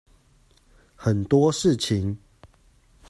很多事情